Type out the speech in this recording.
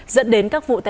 dẫn đến các vụ tàn nạn